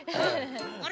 あれ？